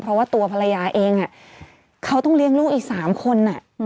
เพราะว่าตัวภรรยาเองเขาต้องเลี้ยงลูกอีก๓คน